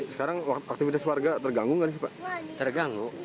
sekarang aktivitas warga terganggu nggak nih pak